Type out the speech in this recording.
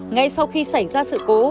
ngay sau khi xảy ra sự cố